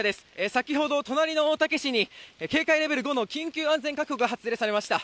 先ほど隣の大竹市に警戒レベル５の緊急安全確保が発令されました。